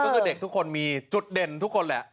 ก็คือเด็กทุกคนมีจุดเด่นทุกคนแหละ